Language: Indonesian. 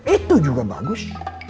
itu juga bagus